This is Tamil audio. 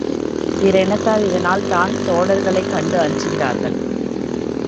பிற இனத்தார் இதனால் தான் தோடர்களைக் கண்டு அஞ்சுகிறார்கள்.